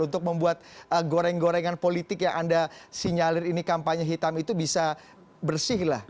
untuk membuat goreng gorengan politik yang anda sinyalir ini kampanye hitam itu bisa bersih lah